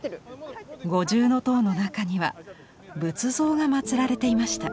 五重塔の中には仏像が祀られていました。